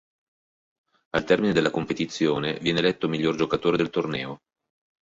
Al termine della competizione viene eletto miglior giocatore del torneo.